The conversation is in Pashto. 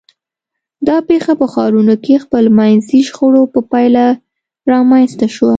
دا پېښه په ښارونو کې خپلمنځي شخړو په پایله رامنځته شوه.